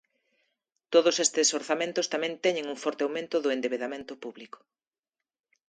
Todos estes orzamentos tamén teñen un forte aumento do endebedamento público.